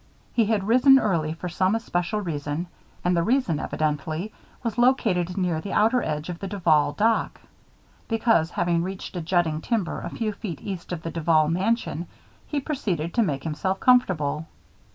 He had risen early for some especial reason; and the reason, evidently, was located near the outer edge of the Duval dock; because, having reached a jutting timber a few feet east of the Duval mansion, he proceeded to make himself comfortable.